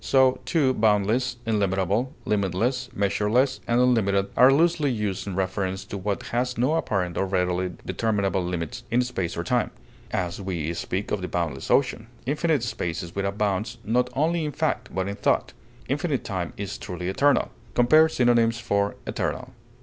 So, too, boundless, illimitable, limitless, measureless, and unlimited are loosely used in reference to what has no apparent or readily determinable limits in space or time; as, we speak of the boundless ocean. Infinite space is without bounds, not only in fact, but in thought; infinite time is truly eternal. Compare synonyms for ETERNAL.